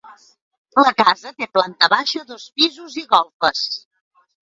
La casa té planta baixa, dos pisos i golfes.